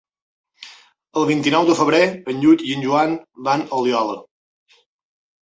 El vint-i-nou de febrer en Lluc i en Joan van a Oliola.